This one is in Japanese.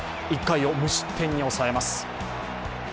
１回を無失点に抑えます。